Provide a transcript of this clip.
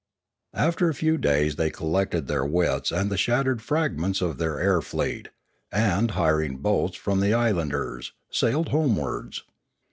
After a few days they collected their wits and the shattered fragments of their air fleet, and, hiring boats from the islanders, sailed homewards.